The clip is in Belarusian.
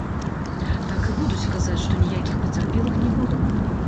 Так і будуць казаць, што ніякіх пацярпелых не было.